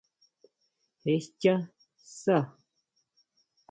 Jé schá sá?